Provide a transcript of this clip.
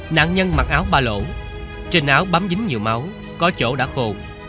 nạn nhân mặc áo ba lỗ trên áo bấm dính nhiều máu có chỗ đã khô